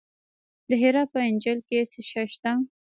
د هرات په انجیل کې څه شی شته؟